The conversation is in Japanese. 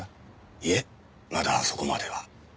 いえまだそこまでは。